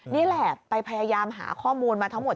นี่แหละไปพยายามหาข้อมูลมาทั้งหมด